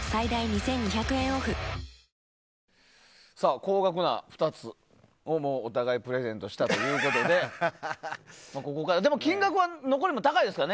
高額な２つを、お互いプレゼントしたということででも、残りの金額も高いですからね。